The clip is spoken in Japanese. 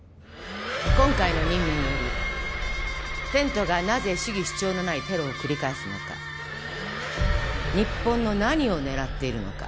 今回の任務によりテントがなぜ主義主張のないテロを繰り返すのか日本の何を狙っているのか